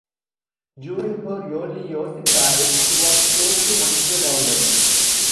During her early years in Paris, she was close to Michael Arlen.